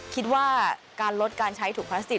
คิดว่าการลดการใช้ถุงพลาสติก